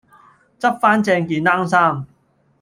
執番正件冷衫